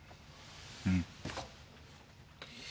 うん。